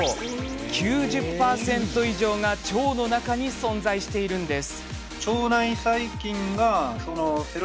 ９０％以上が腸の中に存在しているんです。